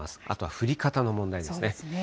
あとは降り方の問題ですね。